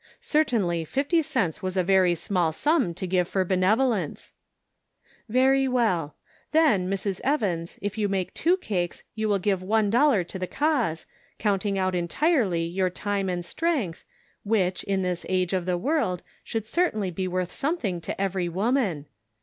Certainly fifty cents was a very small sum to give for benevolence I " Very well. Then, Mrs. Evans, if you make two cakes you give one dollar to the cause, counting out entirely your time and strength, which, in this age of the world, should cer tainly be worth something to every woman.